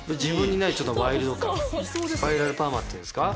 スパイラルパーマっていうんですか。